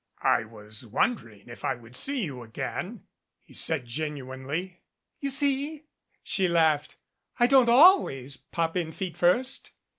"I was wondering if I would see you again," he said genuinely. "You see," she laughed, "I don't always pop in feet first."